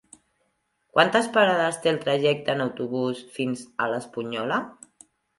Quantes parades té el trajecte en autobús fins a l'Espunyola?